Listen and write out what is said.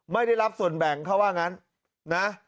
ไม่ได้รับส่วนแบ่งเขาว่างั้นนะ